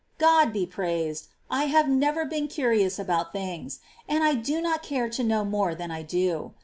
God be praised, I have never been curious about things, and I do not care to know more than I do.